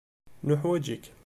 Nuḥwaǧ-ik.